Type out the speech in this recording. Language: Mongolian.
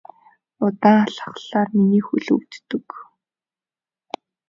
Удаан алхахлаар миний хөл өвддөг.